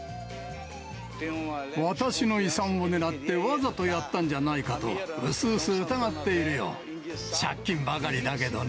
私の遺産を狙ってわざとやったんじゃないかと、うすうす疑っているよ。